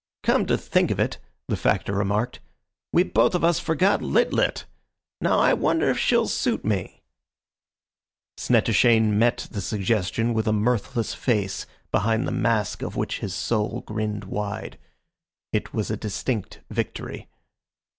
"Come to think of it," the Factor remarked, "we both of us forgot Lit lit. Now I wonder if she'll suit me?" Snettishane met the suggestion with a mirthless face, behind the mask of which his soul grinned wide. It was a distinct victory.